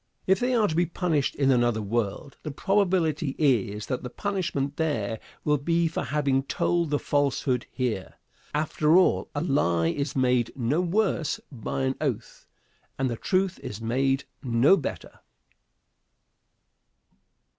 If they are to be punished in another world, the probability is that the punishment there will be for having told the falsehood here. After all, a lie is made no worse by an oath, and the truth is made no better.